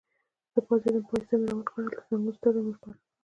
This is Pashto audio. زه پاڅېدم، پایڅه مې را ونغاړل، د زنګون سترګه مې ور ښکاره کړل.